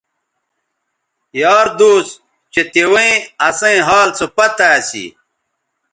یار دوس چہء تیویں اسئیں حال سو پتہ اسی